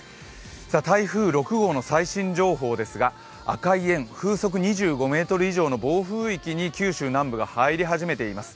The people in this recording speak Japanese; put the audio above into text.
台風６号の最新情報ですが、赤い円、風速２５メートル以上の暴風域に、九州南部が入り始めています。